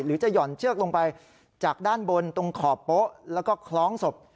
หรือจะห่อนเชือกลงไปจากด้านบนตรงขอบโป๊ะแล้วก็คล้องศพ